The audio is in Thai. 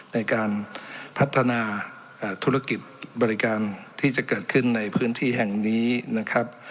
ในการพัฒนาธุรกิจบริการที่จะเกิดขึ้นในพื้นที่แห่งนี้นะครับ